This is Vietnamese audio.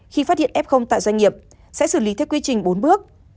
khi phát hiện f tại doanh nghiệp sẽ xử lý theo quy trình bốn bước